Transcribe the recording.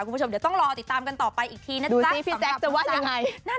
คุณผู้ชมเดี๋ยวต้องรอติดตามกันต่อไปอีกทีนะจ๊ะพี่แจ๊คจะว่ายังไง